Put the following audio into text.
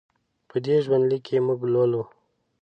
په دې ژوند لیک کې موږ لولو.